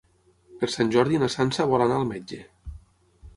Per Sant Jordi na Sança vol anar al metge.